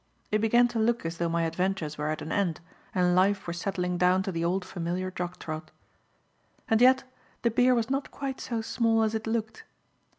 It began to look as though my adventures were at an end and life were settling down to the old familiar jog trot. And yet the beer was not quite so small as it looked.